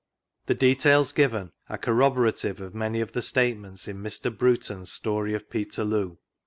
The details given are corroborative of many of the statements in Mr. Bruton's Story of Peterloo.